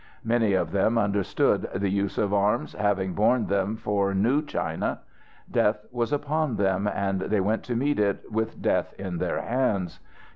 Many of them understood the use of arms, having borne them for New China. Death was upon them, and they went to meet it with death in their hands.